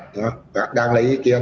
các bạn đang lấy ý kiến